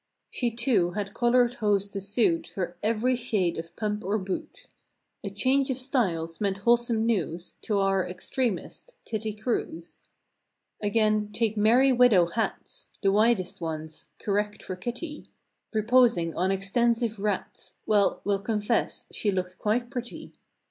She, too, had colored hose to suit Her every shade of pump or boot. A "change of styles" meant wholesome news To our extremist—Kitty Crews. Again, take "Merry Widow" hats— The widest ones—correct for Kitty; Reposing on extensive rats— Well, we'll confess, she looked quite pretty.